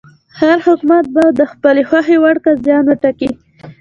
هر حکومت به د خپلې خوښې وړ قاضیان وټاکي.